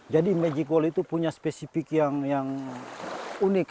jadi magic wall itu punya spesifik yang unik